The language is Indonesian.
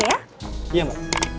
selain itu apa